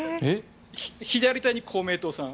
左手に公明党さん